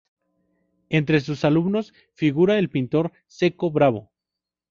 Entre sus alumnos figura el pintor Cecco Bravo.